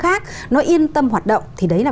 khác nó yên tâm hoạt động thì đấy là